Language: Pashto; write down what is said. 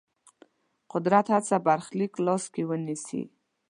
قدرت هڅه برخلیک لاس کې ونیسي.